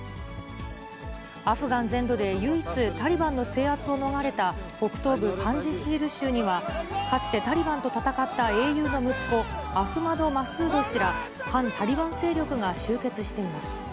アフガン全土で唯一、タリバンの制圧を逃れた北東部パンジシール州には、かつてタリバンと戦った英雄の息子、アフマド・マスード氏ら反タリバン勢力が集結しています。